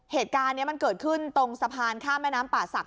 เหตุการณ์นี้มันเกิดขึ้นตรงสะพานข้ามแม่น้ำป่าศักด